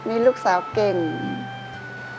คุณแม่รู้สึกยังไงในตัวของกุ้งอิงบ้าง